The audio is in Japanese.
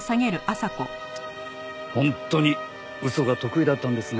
本当に嘘が得意だったんですね。